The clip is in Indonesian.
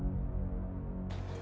kamu yang dari apa